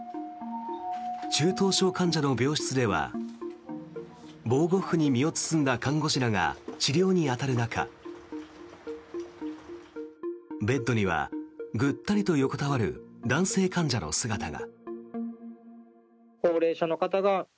中等症患者の病室では防護服に身を包んだ看護師らが治療に当たる中ベッドには、ぐったりと横たわる男性患者の姿が。